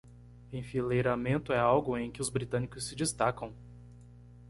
Enfileiramento é algo em que os britânicos se destacam.